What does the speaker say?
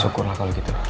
syukurlah kalau gitu